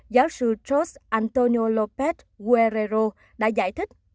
giáo sư george antonio lopez guerrero đã giải thích